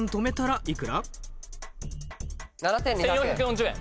７２００円。